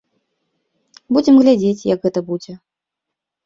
Будзем глядзець, як гэта будзе.